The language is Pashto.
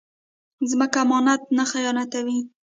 ځمکه امانت نه خیانتوي